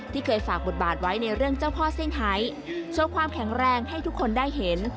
ที่เคยฝากบทบาทไว้ในเรื่องเจ้าพ่อเซี่ยงไฮโชว์ความแข็งแรงให้ทุกคนได้เห็น